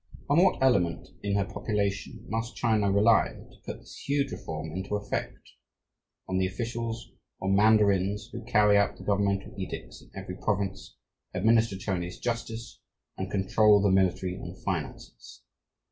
On what element in her population must China rely to put this huge reform into effect? On the officials, or mandarins, who carry out the governmental edicts in every province, administer Chinese justice, and control the military and finances.